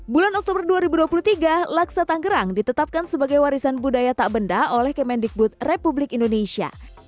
bulan oktober dua ribu dua puluh tiga laksa tangerang ditetapkan sebagai warisan budaya tak benda oleh kemendikbud republik indonesia